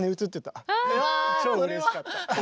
超うれしかった。